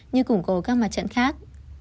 như củng cố các mặt trận khác